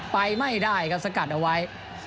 ไปไม่ได้ครับสกัดเอาไว้